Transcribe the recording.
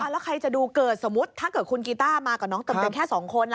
แล้วใครจะดูเกิดสมมุติถ้าเกิดคุณกีต้ามากับน้องเติมเต็มแค่๒คน